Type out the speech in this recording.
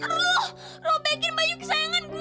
ya allah robekin baju kesayangan gue